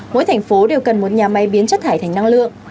mỗi thành phố đều cần một nhà máy biến chất thải thành năng lượng